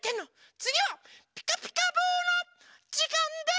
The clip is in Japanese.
つぎは「ピカピカブ！」のじかんです！